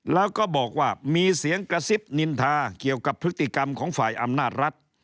แล้วก็บอกว่ามีเสียงกระซิบนินทาเกี่ยวกับพฤติกรรมของฝ่ายอำนาจรัฐ